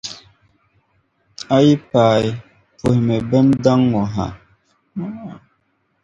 A yi paai, puhimi bɛn daŋ ŋɔ ha.